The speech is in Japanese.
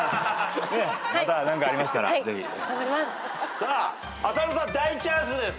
さあ浅野さん大チャンスです。